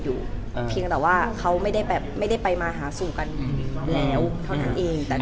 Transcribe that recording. เหมือนนางก็เริ่มรู้แล้วเหมือนนางก็เริ่มรู้แล้ว